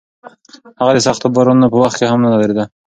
هغه د سختو بارانونو په وخت کې هم نه درېده.